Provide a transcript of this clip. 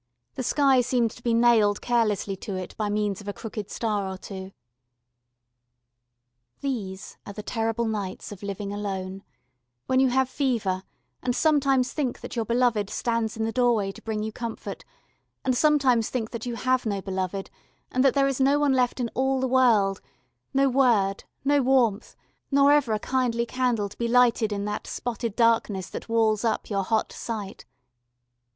The sky seemed to be nailed carelessly to it by means of a crooked star or two. These are the terrible nights of Living Alone, when you have fever and sometimes think that your beloved stands in the doorway to bring you comfort, and sometimes think that you have no beloved, and that there is no one left in all the world, no word, no warmth, nor ever a kindly candle to be lighted in that spotted darkness that walls up your hot sight.